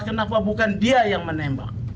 kenapa bukan dia yang menembak